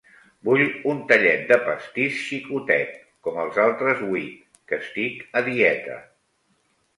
Vull un tallet de pastís xicotet, com els altres huit, que estic a dieta.